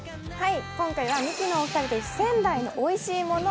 今回はミキのお二人と仙台のおいしいものを